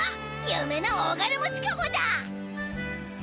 ゆめの大金持ちかもだ！